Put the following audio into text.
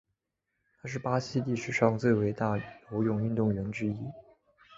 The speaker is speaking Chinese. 他是巴西历史上最伟大游泳运动员之一。